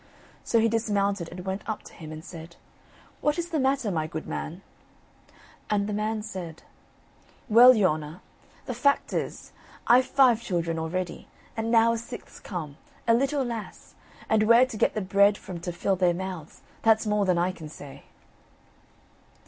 So he dismounted and went up to him and said: "What is the matter, my good man?" And the man said: "Well, your honour, the fact is, I've five children already, and now a sixth's come, a little lass, and where to get the bread from to fill their mouths, that's more than I can say."